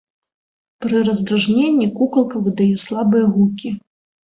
Пры раздражненні кукалка выдае слабыя гукі.